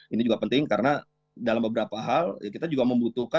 ini juga penting karena dalam beberapa hal kita juga membutuhkan